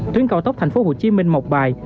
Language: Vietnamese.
tuyến cao tốc tp hcm mộc bài